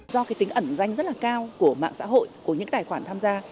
do cái tính ẩn danh rất là cao của mạng xã hội của những tài khoản tham gia